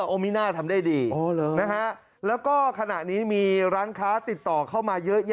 โอมิน่าทำได้ดีนะฮะแล้วก็ขณะนี้มีร้านค้าติดต่อเข้ามาเยอะแยะ